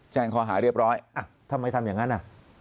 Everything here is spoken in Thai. แจ้งข้อหาเรียบร้อยทำไมทำอย่างนั้นอ่ะ